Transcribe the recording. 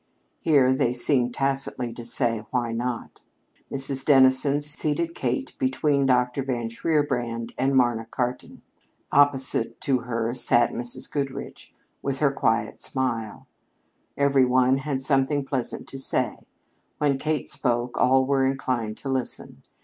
Here they seemed tacitly to say, "Why not?" Mrs. Dennison seated Kate between Dr. von Shierbrand and Marna Cartan. Opposite to her sat Mrs. Goodrich with her quiet smile. Everyone had something pleasant to say; when Kate spoke, all were inclined to listen.